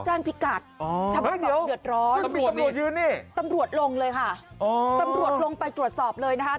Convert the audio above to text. แจ้งพิกัดเดี๋ยวตำรวจยืนเนี่ยตำรวจลงเลยค่ะตำรวจลงไปตรวจสอบเลยนะคะ